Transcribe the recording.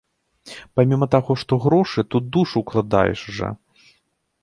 Паміма таго, што грошы, тут душу ўкладаеш жа!